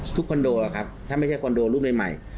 ทุกคอนโดหรือครับถ้าไม่ใช่คอนโดรูปหน่วยใหม่